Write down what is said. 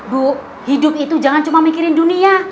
bu hidup itu jangan cuma mikirin dunia